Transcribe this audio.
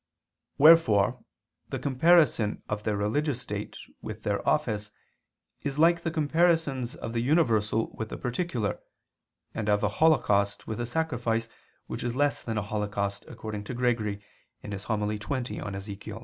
Wherefore the comparison of their religious state with their office is like the comparisons of the universal with the particular, and of a holocaust with a sacrifice which is less than a holocaust according to Gregory (Hom. xx in Ezech.).